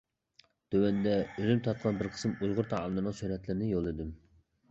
تۆۋەندە ئۆزۈم تارتقان بىر قىسىم ئۇيغۇر تائاملىرىنىڭ سۈرەتلىرىنى يوللىدىم.